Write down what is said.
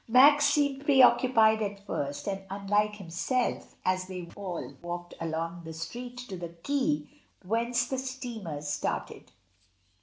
Max seemed preoccupied at first and unlike himself, as they all walked along the street to the Quai whence the steamers started.